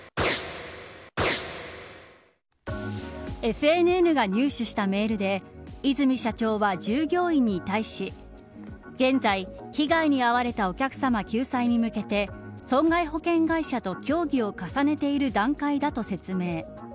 ＦＮＮが入手したメールで和泉社長は従業員に対し現在、被害に遭われたお客様救済に向けて損害保険会社と協議を重ねている段階だと説明。